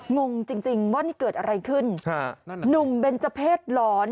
งงจริงจริงว่านี่เกิดอะไรขึ้นฮะหนุ่มเบนเจอร์เพศหลอน